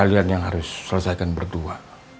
kalian yang harus selesaikan berdua